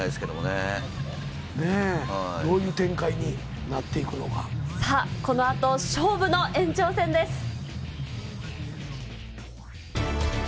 どういう展開になっていくのか、この後、勝負の延長戦です。